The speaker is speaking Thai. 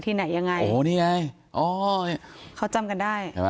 ที่ไหนยังไงโอ้นี่ไงเขาจำกันได้